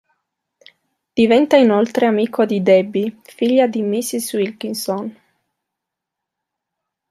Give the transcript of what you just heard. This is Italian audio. Diventa inoltre amico di Debbie, figlia di Mrs. Wilkinson.